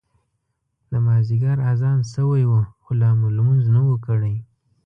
د مازیګر اذان شوی و خو لا مو لمونځ نه و کړی.